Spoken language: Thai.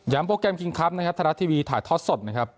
ย้ำโปรแกรมคริงคลับนะครับธรรมดาทีวีถ่ายทอดสดนะครับ